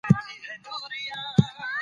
دا هغه څېړندود دئ چي په ټوله نړۍ کي منل شوی.